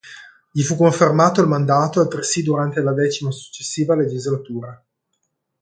Gli fu confermato il mandato altresì durante la X successiva legislatura.